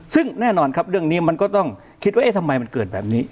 ซึ่งแน่นอนครับเรื่องนี้มันก็ต้องคิดว่าเอ๊ะทำไมมันเกิดแบบนี้